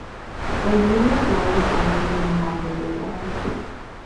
Bohemian Grove is located in Monte Rio.